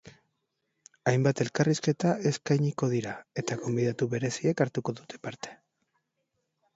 Hainbat elkarrizketa eskainiko dira eta gonbidatu bereziek hartuko dute parte.